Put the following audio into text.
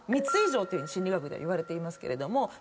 ３つ以上と心理学ではいわれていますけれども。